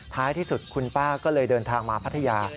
ท้ายที่สุดคุณป้าก็เลยเดินทางมาพัทยา